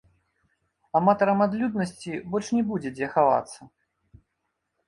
Аматарам адлюднасці больш не будзе дзе хавацца.